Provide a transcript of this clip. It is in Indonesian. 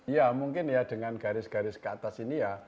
ya mungkin ya dengan garis garis ke atas ini ya